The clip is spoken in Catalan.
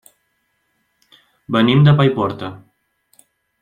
Venim de Paiporta.